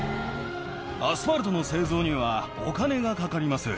アスファルトの製造にはお金がかかります。